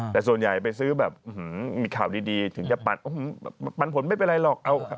แต่ส่วนใหญ่ไปซื้อแบบมีข่าวดีถึงจะปันผลไม่เป็นไรหรอก